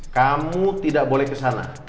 kamu tidak boleh kesana